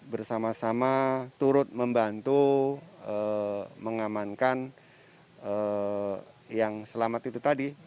bersama sama turut membantu mengamankan yang selamat itu tadi